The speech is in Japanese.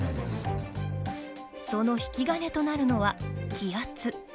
その引き金となるのは、気圧。